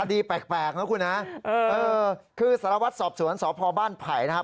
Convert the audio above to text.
นะครับคุณฮะเออคือสารวัตรสอบสวนสอบพอบ้านไผ่นะครับ